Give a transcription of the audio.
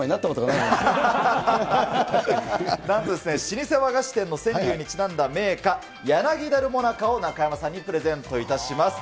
なんと老舗和菓子店の川柳にちなんだ銘菓、柳多留もなかを中山さんにプレゼントいたします。